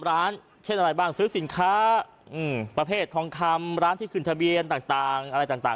ร้านเช่นอะไรบ้างซื้อสินค้าประเภททองคำร้านที่ขึ้นทะเบียนต่างอะไรต่าง